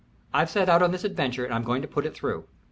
"I've set out on this adventure and I'm going to put it through.